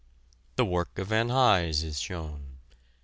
The work of Van Hise is shown.